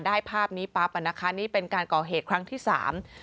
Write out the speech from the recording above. ภาพนี้ปั๊บอ่ะนะคะนี่เป็นการก่อเหตุครั้งที่สาม